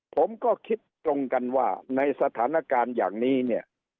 ผมก็คิดตรงกันว่าในสถานการณ์อย่างนี้เนี่ย